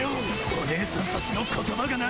おねえさんたちの言葉がな。